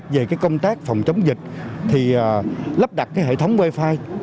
về cái công tác phòng chống dịch thì lắp đặt cái hệ thống wifi